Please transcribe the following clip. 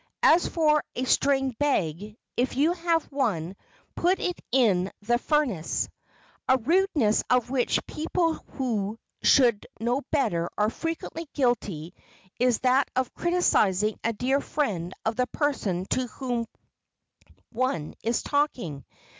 As for a string bag, if you have one put it in the furnace. A rudeness of which people who should know better are frequently guilty is that of criticizing a dear friend of the person to whom one is talking.